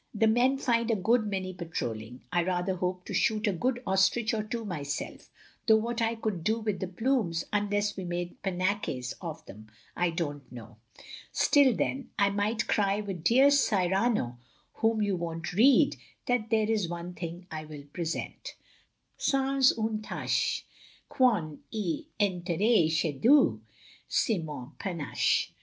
The men find a good many patrolling. I rather hope to shoot a good ostrich or two myself y though what I could do with the plumes unless we made panaches of them, I don't know! Still then I might cry with dear Cyrano whom you won't read — tha;t there is one thing I will present *sans une tache .. 1 Quand fentrerai chez Dieu .. r ... c'est mon panache!'